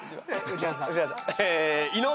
宇治原さん。